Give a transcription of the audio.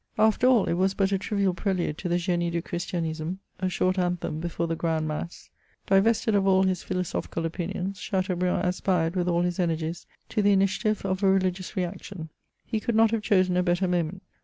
After all, it was but a trivial prelude to the GMe du Chris tianisme ; a short anthem before the grand mass. Divested of iftll his philosophical opinions, Chateaubriand aspired with all his u energies to the initiative of a religious reaction. He could not have chosen a better moment.